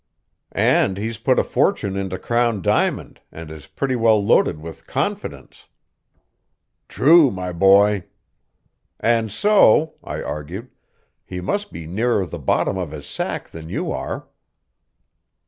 "And he's put a fortune into Crown Diamond, and is pretty well loaded with Confidence." "True, my boy." "And so," I argued, "he must be nearer the bottom of his sack than you are."